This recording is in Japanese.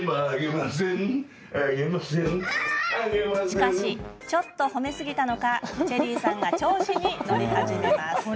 しかし、ちょっと褒めすぎたのか、チェリーさんが調子に乗り始めます。